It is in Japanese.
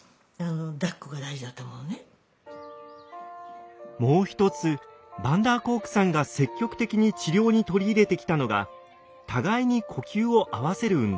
お母さんがもう一つヴァンダーコークさんが積極的に治療に取り入れてきたのが互いに呼吸を合わせる運動。